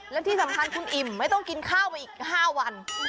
และที่สำคัญคุณอิ่มไม่ต้องกินข้าวไปอีก๕วัน